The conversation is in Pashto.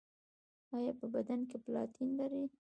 ایا په بدن کې پلاتین لرئ؟